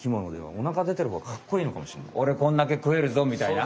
おれこんだけくえるぞ！みたいな？